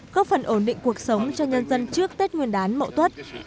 góp phần ổn định cuộc sống cho nhân dân trước tết nguyên đán mậu tuất